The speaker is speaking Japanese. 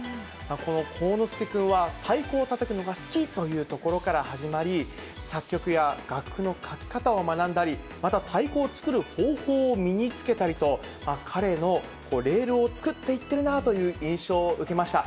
この幸之助君は、太鼓をたたくのが好きというところから始まり、作曲や楽譜の書き方を学んだり、また太鼓を作る方法を身につけたりと、彼のレールを作っていってるなという印象を受けました。